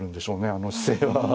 あの姿勢は。